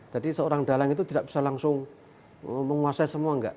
jadi seorang dalang itu tidak bisa langsung menguasai semua enggak